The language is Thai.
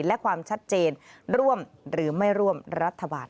และความชัดเจนร่วมหรือไม่ร่วมรัฐบาล